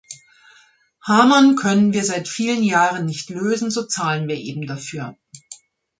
Hamon können wir seit vielen Jahren nicht lösen, so zahlen wir eben dafür.